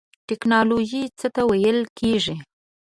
ټیکنالوژی څه ته ویل کیږی؟